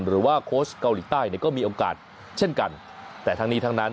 หรือว่าโค้ชเกาหลีใต้ก็มีโอกาสเช่นกันแต่ทางนี้ทางนั้น